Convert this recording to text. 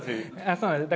そうなんです。